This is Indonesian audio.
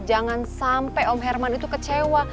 jangan sampai om herman itu kecewa